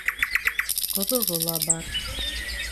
Ҡоҙоғо ла бар.